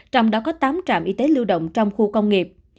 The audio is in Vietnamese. trong đó có tám trạm y tế lưu động trong khu công nghiệp